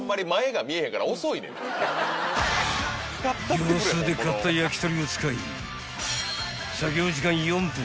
［業スーで買った焼き鳥を使い作業時間４分